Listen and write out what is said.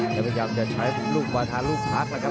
แล้วพยายามจะใช้ลูกวาธาลูกพักแล้วครับ